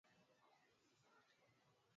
Thamani ya viazi lishe inaongezeka kwa kuchakata